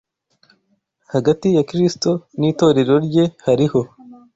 Hagati ya Kristo n’itorero rye hariho